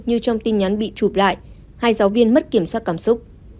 như trong tin nhắn bị chụp lại hai giáo viên mất kiểm soát cảm xúc